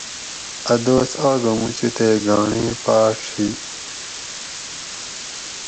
اۤ دوس آگہ موچو تے گانڑے پاڛ ہی